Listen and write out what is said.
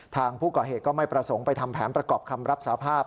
ทางผู้ก่อเหตุก็ไม่ประสงค์ไปทำแผนประกอบคำรับสาภาพ